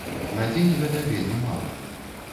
На дзень гэта вельмі мала.